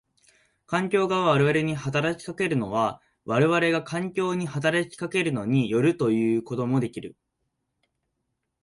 環境が我々に働きかけるのは我々が環境に働きかけるのに依るということもできる。